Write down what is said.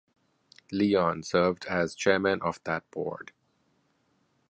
Leon served as chairman of that Board.